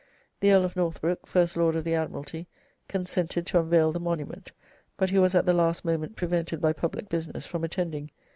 The Earl of Northbrook, First Lord of the Admiralty, consented to unveil the monument, but he was at the last moment prevented by public business from attending.